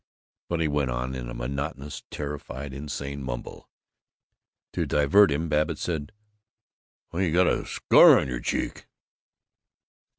But he went on, in a monotonous, terrified insane mumble. To divert him Babbitt said, "Why, you got a scar on your cheek."